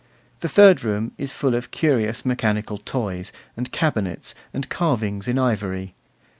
The third room is full of curious mechanical toys, and cabinets, and carvings in ivory.